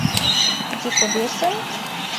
— Дикобесым?..